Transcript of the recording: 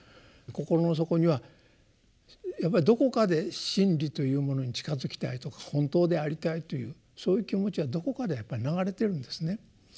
心の底にはやっぱりどこかで真理というものに近づきたいとか本当でありたいというそういう気持ちがどこかでやっぱり流れているんですね。